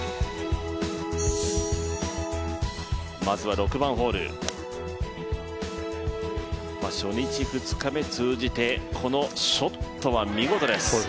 まずは６番ホール、初日、２日目通じてショットは見事です。